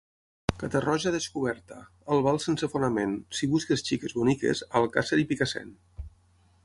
Catarroja descoberta, Albal sense fonament, si busques xiques boniques, a Alcàsser i Picassent.